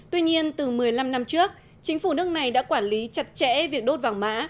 tuy nhiên từ một mươi năm năm trước chính phủ nước này đã quản lý chặt chẽ việc đốt vàng mã